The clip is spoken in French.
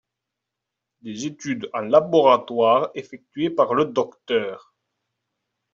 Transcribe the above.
Des études en laboratoire effectuées par le Dr.